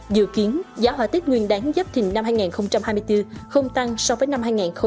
dự kiến giá hoa tết nguyên đáng giáp thình năm hai nghìn hai mươi bốn không tăng so với năm hai nghìn hai mươi hai